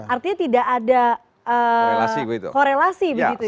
artinya tidak ada korelasi begitu ya